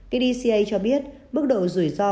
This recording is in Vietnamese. kdca cho biết mức độ rủi ro